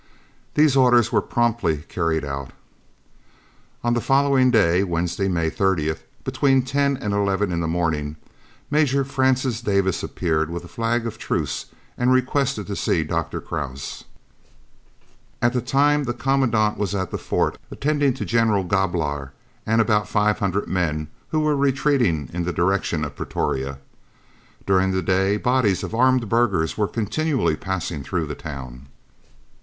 These orders were promptly carried out. On the following day, Wednesday, May 30th, between ten and eleven in the morning, Major Francis Davis appeared with a flag of truce and requested to see Dr. Krause. At the time the Commandant was at the fort attending to General Grobelaar and about 500 men who were retreating in the direction of Pretoria. During the day bodies of armed burghers were continually passing through the town.